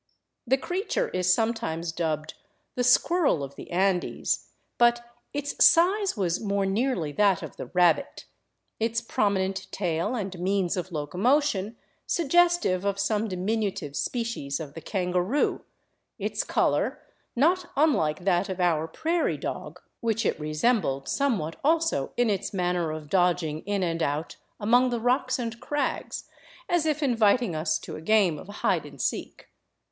The creature is sometimes dubbed the " squirrel of the Andes," but its size was more nearly that of the rabbit, its prominent tail and means of locomotion suggestive of some diminutive species of the kangaroo, its color not unlike that of our prairie dog, which it re sembled somewhat also in its manner of dodging in and out among the rocks and crags, as if inviting us to a game of " hide and seek."